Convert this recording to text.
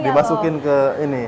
dimasukin ke ini